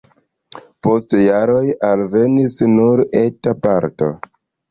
Post jaroj alvenis nur eta parto.